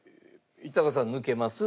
ちさ子さん抜けます。